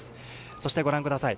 そしてご覧ください。